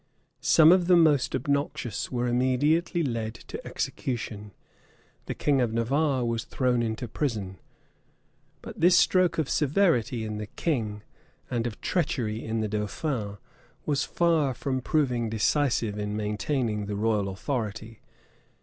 Some of the most obnoxious were immediately led to execution: the king of Navarre was thrown into prison;[*] but this stroke of severity in the king, and of treachery in the dauphin, was far from proving decisive in maintaining the royal authority.